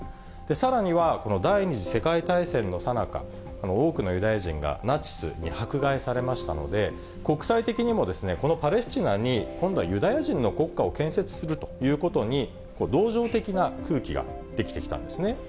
さらには、この第２次世界大戦のさなか、多くのユダヤ人がナチスに迫害されましたので、国際的にもこのパレスチナに、今度はユダヤ人の国家を建設するということに、今度はこれ、同情的な空気が出来てきたんですね。